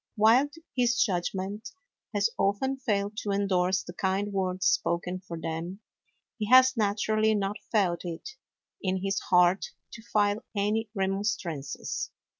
While his judgment has often failed to endorse the kind words spoken for them, he has naturally not felt it in his heart to file any remonstrances.